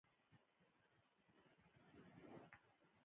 آیا خوښ یې؟